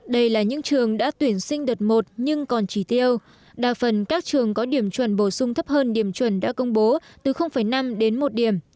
đây là những trường đã tuyển sinh đợt một nhưng còn chỉ tiêu đa phần các trường có điểm chuẩn bổ sung thấp hơn điểm chuẩn đã công bố từ năm đến một điểm